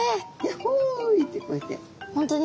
「やっほい」ってこうやって。